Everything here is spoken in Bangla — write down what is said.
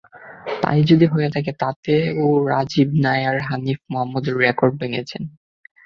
তা-ই যদি হয়ে থাকে, তাতেও রাজীব নায়ার হানিফ মোহাম্মদের রেকর্ড ভেঙেছেন।